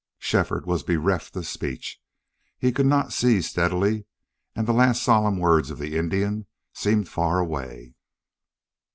Shefford was bereft of speech. He could not see steadily, and the last solemn words of the Indian seemed far away.